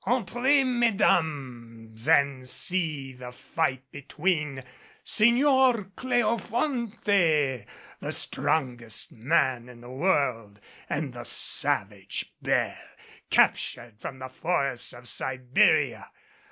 Entrez, Mes dames, and see the fight between Signor Cleofonte, the strongest man in the world, and the savage bear captured from the forests of Siberia!